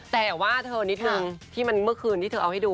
แต่ว่าเธอนิดนึงที่มันเมื่อคืนที่เธอเอาให้ดู